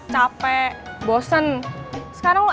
capek bosen sekarang lo enak